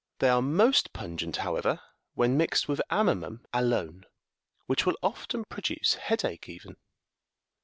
They are most pungent, however, when mixed with amomum alone, which will often produce head ache even.